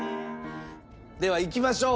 ではいきましょう。